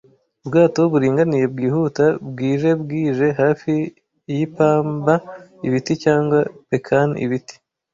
Ubwato buringaniye bwihuta bwije bwije hafi yipamba-ibiti cyangwa pecan-ibiti,